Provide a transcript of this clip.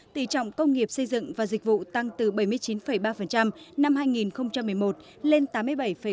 tỷ trọng công nghiệp xây dựng và dịch vụ tăng từ bảy mươi chín ba năm hai nghìn một mươi một lên tám mươi bảy bốn năm hai nghìn một mươi năm